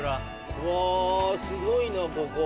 うわすごいなここ。